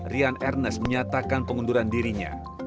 rian ernest menyatakan pengunduran dirinya